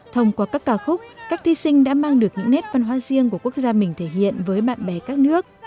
thông qua các ca khúc các thi sinh đã mang được những nét văn hóa riêng của quốc gia mình thể hiện với bạn bè các nước